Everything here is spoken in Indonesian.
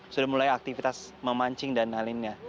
sudah mulai aktivitas memancing dan lainnya